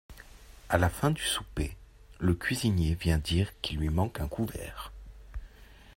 A la fin du souper, le cuisinier vient dire qu'il lui manque un couvert.